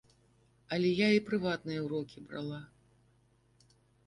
Але я і прыватныя ўрокі брала.